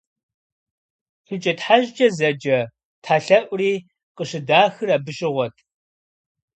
ШыкӀэтхьэщӀкӀэ зэджэ тхьэлъэӀури къыщыдахыр абы щыгъуэт.